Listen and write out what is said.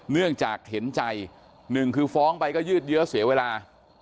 เนื่องจากเห็นใจหนึ่งคือฟ้องไปก็ยืดเยอะเสียเวลา